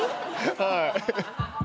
はい。